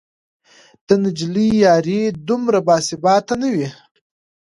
د نجلۍ یاري دومره باثباته نه وي